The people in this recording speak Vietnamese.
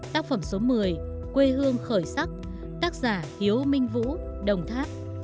tác phẩm số một mươi quê hương khởi sắc tác giả hiếu minh vũ đồng tháp